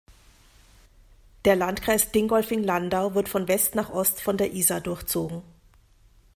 Der Landkreis Dingolfing-Landau wird von West nach Ost von der Isar durchzogen.